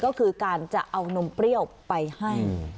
ก็คือการจะเอานมเปรี้ยวไปให้